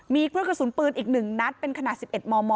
มีเครื่องกระสุนปืนอีก๑นัดเป็นขนาด๑๑มม